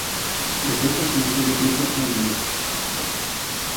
De fet, els meus videoclips els munto jo.